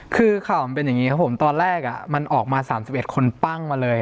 คือข่าวมันเป็นอย่างนี้ครับผมตอนแรกมันออกมา๓๑คนปั้งมาเลย